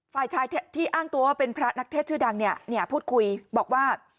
ฝ่ายชายที่อ้างตัวว่าเป็นพระนักเทศชื่อดังพูดคุยบอกว่า